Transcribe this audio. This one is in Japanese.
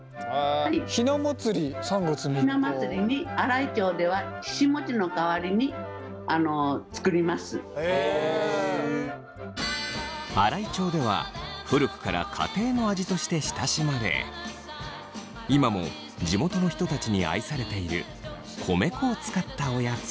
ひな祭りに新居町では新居町では古くから家庭の味として親しまれ今も地元の人たちに愛されている米粉を使ったおやつ。